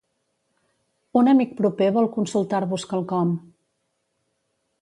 Un amic proper vol consultar-vos quelcom.